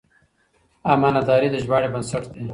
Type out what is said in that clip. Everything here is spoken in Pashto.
امانتداري د ژباړې بنسټ دی.